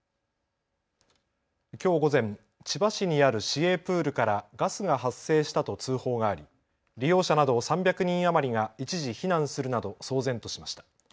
きょう午前、千葉市にある市営プールからガスが発生したと通報があり利用者など３００人余りが一時避難するなど騒然としました。